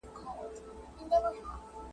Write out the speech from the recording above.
خو چي ښه نه وي درته غلیم سي ..